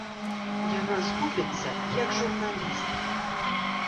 Яна згубіцца як журналіст.